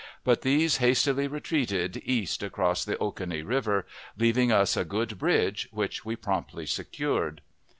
But these hastily retreated east across the Oconee River, leaving us a good bridge, which we promptly secured.